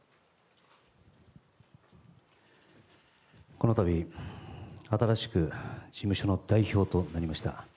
この度新しく事務所の代表となりました